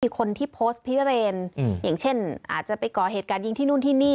คนที่โพสต์พิเรนอย่างเช่นอาจจะไปก่อเหตุการยิงที่นู่นที่นี่